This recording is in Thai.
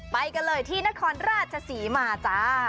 ไปกันเลยที่นครราชศรีมาจ้า